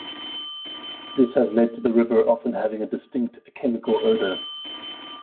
This has led to the river often having a distinct "chemical odour".